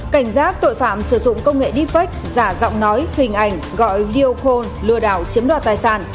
cảnh giác tội phạm sử dụng công nghệ defect giả giọng nói hình ảnh gọi video call lừa đảo chiếm đoạt tài sản